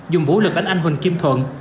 dùng vũ lực bánh anh hùng kim thuận